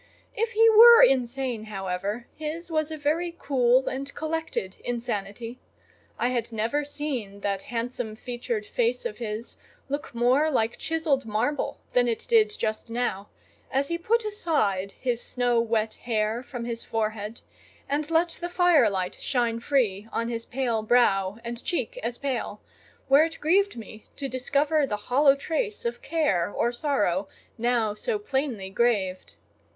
If he were insane, however, his was a very cool and collected insanity: I had never seen that handsome featured face of his look more like chiselled marble than it did just now, as he put aside his snow wet hair from his forehead and let the firelight shine free on his pale brow and cheek as pale, where it grieved me to discover the hollow trace of care or sorrow now so plainly graved.